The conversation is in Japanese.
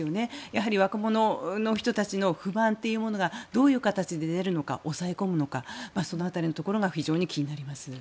やはり若者の人たちの不満というものがどういう形で出るのか抑え込むのかその辺りのところが非常に気になります。